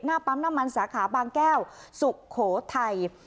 หน้าปั๊มหน้ามันสาขาบางแก้วสุโขไทย